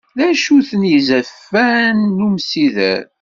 D acu-ten yizefan n umsider?